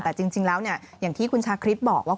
แต่จริงแล้วอย่างที่คุณชาคริสบอกว่า